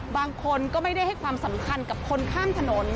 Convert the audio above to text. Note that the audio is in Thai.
บางคนก็ไม่ได้ให้ความสำคัญกับคนข้ามถนน